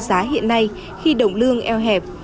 giá hiện nay khi động lương eo hẹp